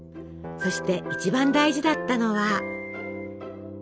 そして一番大事だったのは。